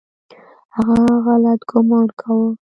هغه غلط ګومان کاوه .